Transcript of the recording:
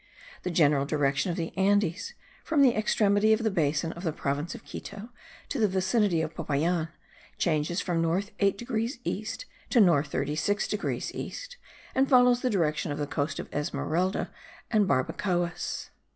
The general direction of the Andes, from the extremity of the basin of the province of Quito to the vicinity of Popayan, changes from north 8 degrees east to north 36 degrees east; and follows the direction of the coast of Esmeralda and Barbacoas.